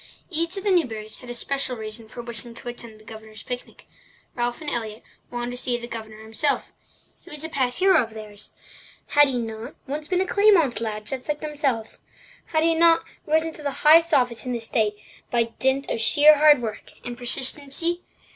Each of the Newburys had a special reason for wishing to attend the Governor's picnic. Ralph and Elliott wanted to see the Governor himself. He was a pet hero of theirs. Had he not once been a Claymont lad just like themselves? Had he not risen to the highest office in the state by dint of sheer hard work and persistency?